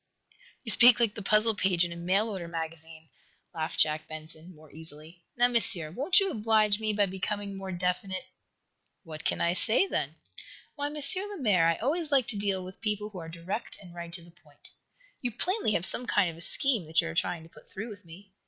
"You speak like the puzzle page in a mail order magazine," laughed Jack Benson, more easily. "Now, Monsieur, won't you oblige me by becoming more definite?" "What can I say, then?" "Why, M. Lemaire, I always like to deal with people who are direct and right to the point. You plainly have some kind of a scheme that you are trying to put through with me.